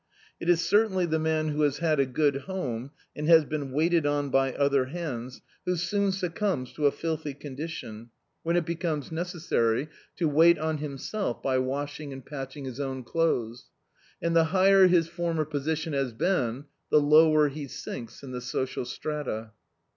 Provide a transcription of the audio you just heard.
It is cer tainly the man who has had a good hone, and has been waited on by other hands, who soon succumbs to a filthy oHidition, when it becomes necessary to Dictzed by Google The Autobiography of a Super Tramp wait cm himself by washing and patching his own clothes; and the hi^er his former position has been the lower he sinks in the social strata.